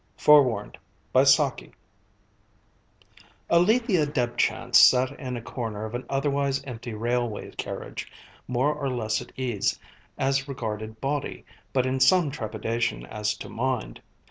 FOREWARNED Alethia Debchance sat in a corner of an otherwise empty railway carriage, more or less at ease as regarded body, but in some trepidation as to mind.